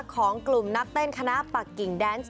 ของกลุ่มนักเต้นคณะปักกิ่งแดนส์